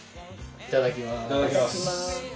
いただきます。